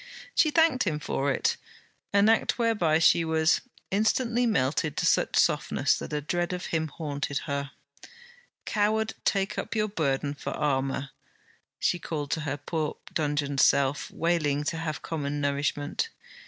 She thanked him for it; an act whereby she was: instantly melted to such softness that a dread of him haunted her. Coward, take up your burden for armour! she called to her poor dungeoned self wailing to have common nourishment.